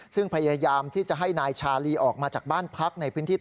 ซึ่งพยายามที่จะให้นายชาลีออกมาจากบ้านพัก